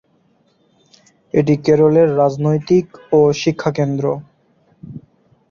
এটি কেরলের রাজনৈতিক ও শিক্ষাকেন্দ্র।